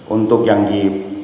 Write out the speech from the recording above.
untuk yang di